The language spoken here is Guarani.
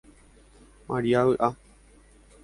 Maria vyʼa.